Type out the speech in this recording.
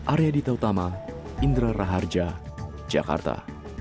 arya dita utama indra raharja jakarta